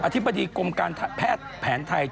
ธิบดีกรมการแพทย์แผนไทย